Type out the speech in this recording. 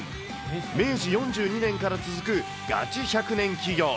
明治４２年から続くガチ１００年企業。